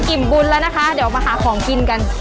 อิ่มบุญแล้วนะคะเดี๋ยวมาหาของกินกัน